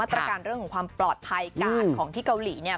ตรการเรื่องของความปลอดภัยการของที่เกาหลีเนี่ย